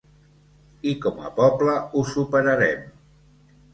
I com a poble ho superarem.